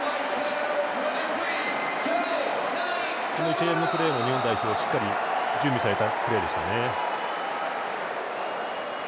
一連のプレーも日本代表、しっかり準備されたプレーでしたね。